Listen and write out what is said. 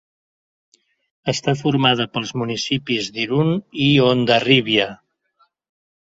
Està formada pels municipis d'Irun i Hondarribia.